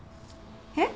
えっ！？